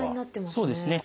そうですね。